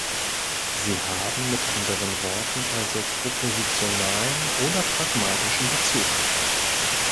Sie haben mit anderen Worten also propositionalen oder pragmatischen Bezug.